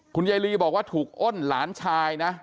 คุณยายลีบอกว่าถูกอ้นหลานชายนะ